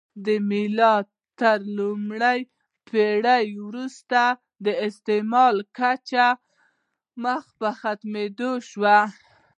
د میلاد تر لومړۍ پېړۍ وروسته د استعمل کچه مخ په کمېدو شوه